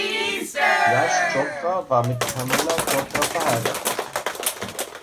Yash Chopra war mit Pamela Chopra verheiratet.